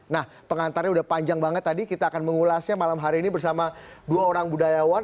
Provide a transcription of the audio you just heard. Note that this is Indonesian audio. nah pengantarnya udah panjang banget tadi kita akan mengulasnya malam hari ini bersama dua orang budayawan